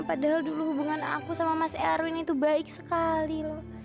padahal dulu hubungan aku sama mas erwin itu baik sekali loh